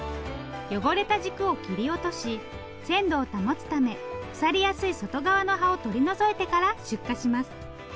汚れた軸を切り落とし鮮度を保つため腐りやすい外側の葉を取り除いてから出荷します。